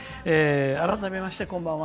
改めまして、こんばんは。